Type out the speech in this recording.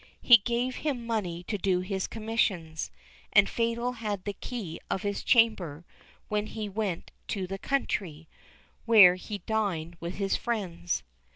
He gave him money to do his commissions, and Fatal had the key of his chamber when he went to the country, where he dined with his friends.